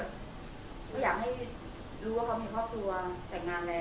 ก็อยากให้รู้ว่าเขามีครอบครัวแต่งงานแล้ว